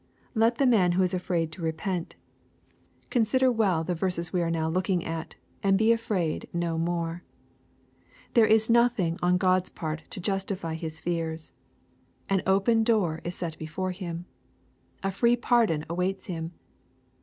Let the man who is afraid to repent, consider well thfl LUKE^ CHAP. XV. 177 verses we aw now looking at, and be afraid no more. There is nothing on God's part to justifj^ his fears. An open door is set before him. A free pardon awaits him.